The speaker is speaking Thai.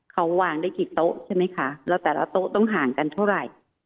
เขาวางได้กี่โต๊ะใช่ไหมคะแล้วแต่ละโต๊ะต้องห่างกันเท่าไหร่